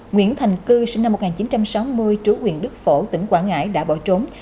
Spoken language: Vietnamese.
nguyễn thành cư sinh năm một nghìn chín trăm sáu mươi trú quyền đức phổ tỉnh quảng ngãi đã bỏ trốn